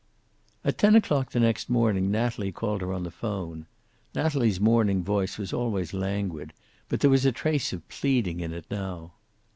At ten o'clock the next morning Natalie called her on the 'phone. Natalie's morning voice was always languid, but there was a trace of pleading in it now.